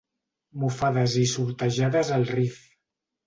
Mofades i sortejades al Rif.